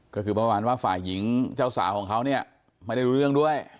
ก็คือประมาณว่าฝ่ายหญิงเจ้าสาวของเขาเนี่ยไม่ได้รู้เรื่องด้วย